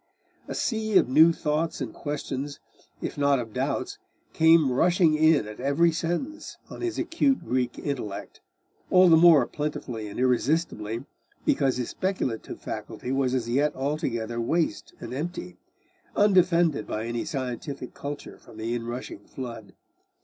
A sea of new thoughts and questions, if not of doubts, came rushing in at every sentence on his acute Greek intellect, all the more plentifully and irresistibly because his speculative faculty was as yet altogether waste and empty, undefended by any scientific culture from the inrushing flood.